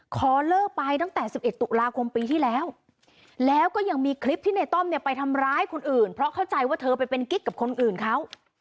ขอเลิกไปตั้งแต่๑๑ตุลาคมปีที่แล้วแล้วก็ยังมีคลิปที่ในต้อมเนี่ยไปทำร้ายคนอื่นเพราะเข้าใจว่าเธอไปเป็นกิ๊กกับคนอื่นเขา